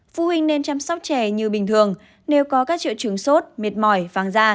phụ huynh nên chăm sóc trẻ như bình thường nếu có các triệu chứng sốt miệt mỏi pháng da